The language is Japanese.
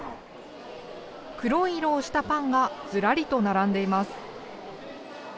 黒い色をしたパンがずらりと並んでいます。